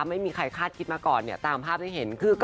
ไม่มีใครคาดคิดมาก่อนเนี่ยตามภาพที่เห็น